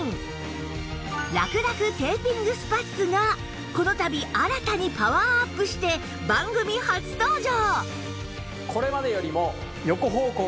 らくらくテーピングスパッツがこの度新たにパワーアップして番組初登場！